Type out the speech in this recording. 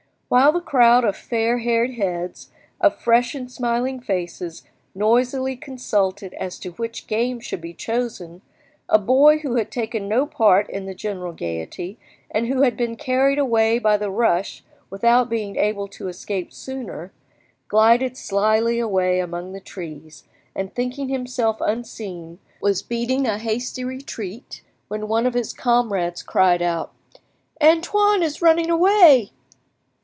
While the crowd of fair haired heads, of fresh and smiling faces, noisily consulted as to which game should be chosen, a boy who had taken no part in the general gaiety, and who had been carried away by the rush without being able to escape sooner, glided slyly away among the trees, and, thinking himself unseen, was beating a hasty retreat, when one of his comrades cried out— "Antoine is running away!"